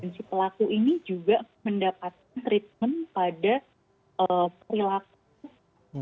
dan si pelaku ini juga mendapatkan treatment pada perilaku emosional